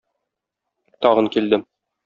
Тагын килдем.